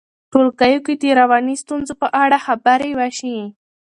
ټولګیو کې د رواني ستونزو په اړه خبرې وشي.